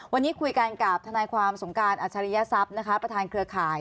วันนี้คุยกันกับทนายความสงการอัชริยศัพย์นะคะประธานเครือข่าย